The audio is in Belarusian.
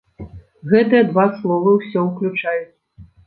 Гэтыя два словы ўсё ўключаюць.